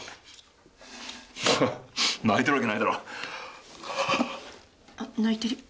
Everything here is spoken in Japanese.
ハッ！泣いてるわけないだろ。あっ泣いてる。